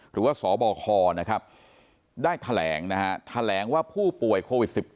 สบคนะครับได้แถลงนะฮะแถลงว่าผู้ป่วยโควิด๑๙